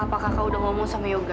apakah kau udah ngomong sama yoga